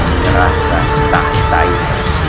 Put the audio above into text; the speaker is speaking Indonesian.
serahkan tak taib